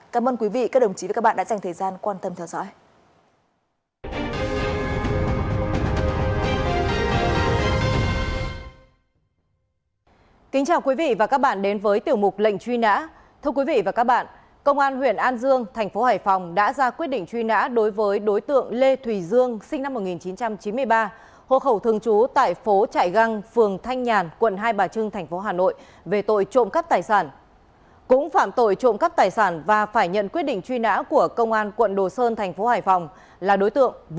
cảm ơn quý vị các đồng chí và các bạn đã dành thời gian quan tâm theo dõi